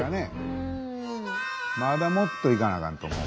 まだもっといかなあかんと思う。